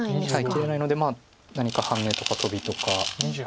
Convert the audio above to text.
切れないので何かハネとかトビとか。